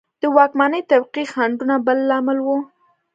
د واکمنې طبقې خنډونه بل لامل و.